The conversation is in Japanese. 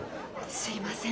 すいません。